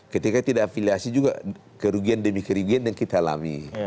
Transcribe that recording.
ketika tidak afiliasi juga kerugian demi kerugian yang kita alami